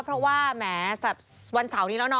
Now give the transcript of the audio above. เพราะว่าแหมวันเสาร์นี้แล้วเน